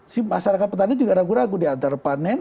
si masyarakat petani juga ragu ragu diantar panen